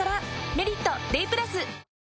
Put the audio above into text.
「メリットＤＡＹ＋」